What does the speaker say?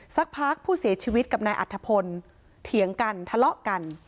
สักพักผู้เสียชีวิตกับนายอัธพลเถียงกันทะเลาะกัน